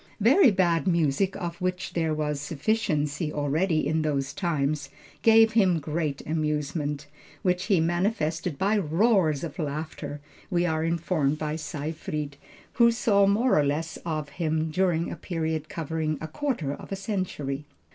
Very bad music of which there was a sufficiency already in those times, gave him great amusement, which he manifested by roars of laughter, we are informed by Seyfried, who saw more or less of him during a period covering a quarter of a century.